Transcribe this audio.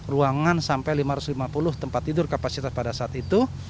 ruangan sampai lima ratus lima puluh tempat tidur kapasitas pada saat itu